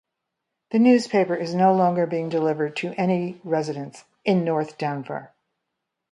The newspaper is no longer being delivered to any residents in North Denver.